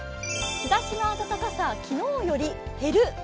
日ざしの暖かさ、昨日より減る。